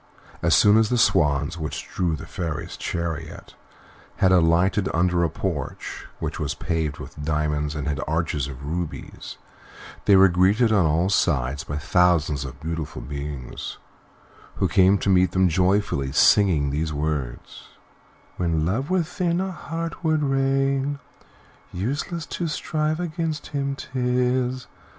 As soon as the swans which drew the Fairy's chariot had alighted under a porch, which was paved with diamonds and had arches of rubies, they were greeted on all sides by thousands of beautiful beings, who came to meet them joyfully, singing these words: "When Love within a heart would reign, Useless to strive against him 'tis.